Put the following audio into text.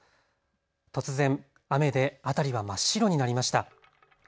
突然、雨で辺りは真っ白になりました。